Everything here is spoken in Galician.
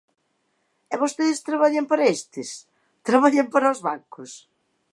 E vostedes traballan para estes, traballan para os bancos.